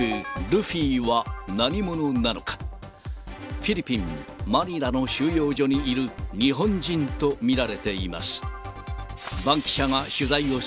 フィリピン・マニラの収容所にいる日本人と見られています。